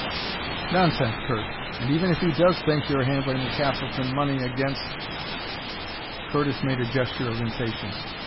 "Nonsense, Curt. And even if he does think you're handling the Castleton money against " Curtis made a gesture of impatience.